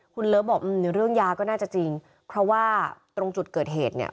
คุณเลิฟบอกในเรื่องยาก็น่าจะจริงเพราะว่าตรงจุดเกิดเหตุเนี่ย